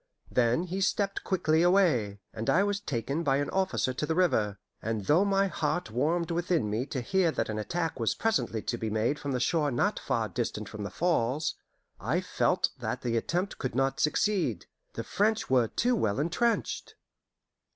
Then he stepped quickly away, and I was taken by an officer to the river, and though my heart warmed within me to hear that an attack was presently to be made from the shore not far distant from the falls, I felt that the attempt could not succeed: the French were too well intrenched.